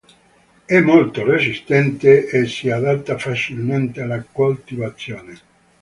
È molto resistente e si adatta facilmente alla coltivazione.